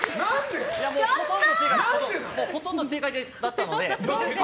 ほとんど正解だったので。